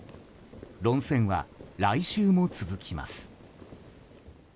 論戦は来週も続きます。